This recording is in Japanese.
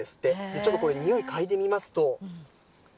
ちょっとこれ、においかいでみますと。